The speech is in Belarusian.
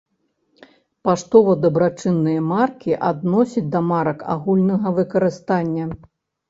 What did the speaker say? Паштова-дабрачынныя маркі адносяць да марак агульнага выкарыстання.